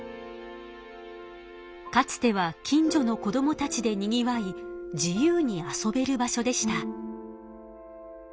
かつては近所の子どもたちでにぎわい自由に遊べる場所でした。